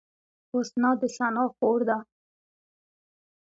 حسنا د ثنا خور ده